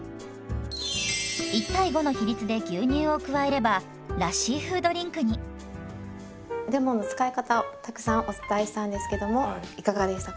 １：５の比率で牛乳を加えればラッシー風ドリンクに。レモンの使い方をたくさんお伝えしたんですけどもいかがでしたか？